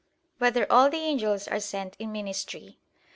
2] Whether All the Angels Are Sent in Ministry?